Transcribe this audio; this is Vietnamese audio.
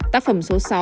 tác phẩm số sáu